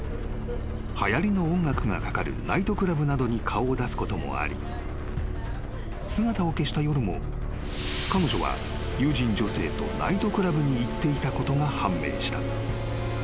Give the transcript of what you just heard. ［はやりの音楽がかかるナイトクラブなどに顔を出すこともあり姿を消した夜も彼女は友人女性とナイトクラブに行っていたことが判明した］